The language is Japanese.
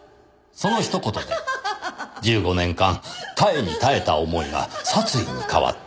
その一言で１５年間耐えに耐えた思いが殺意に変わった。